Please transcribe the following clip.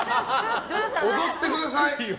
踊ってください！